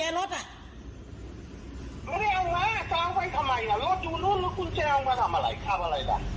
ไม่ได้เอามาจะเอาไปทำไมล่ะรถอยู่นู่นแล้วกุญแจเอามาทำอะไร